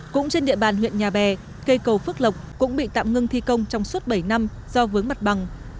cũng trên địa bàn huyện nhà bè cây cầu phước lộc cũng bị tạm ngưng thi công trong suốt bảy năm do vướng mặt bằng